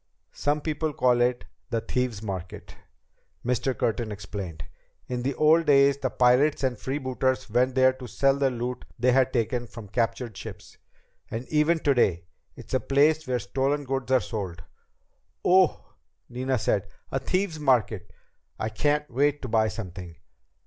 "Some people call it the Thieves' Market," Mr. Curtin explained. "In the old days the pirates and freebooters went there to sell the loot they had taken from captured ships. And even today, it's a place where stolen goods are sold." "Oh h!" Nina said. "A Thieves' Market! I can't wait to buy something!"